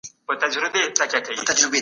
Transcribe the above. له اړمنو خلګو سره مرسته وکړئ.